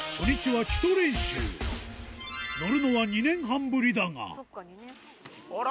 乗るのは２年半ぶりだがあら！